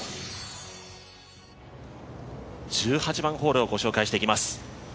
１８番ホールをご紹介していきます。